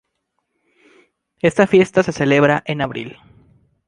Esta fiesta se celebra en abril.